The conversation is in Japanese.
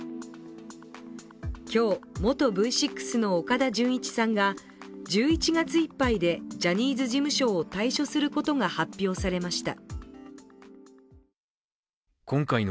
今日、元Ｖ６の岡田准一さんが１１月いっぱいでジャニーズ事務所を退所することが発表されました。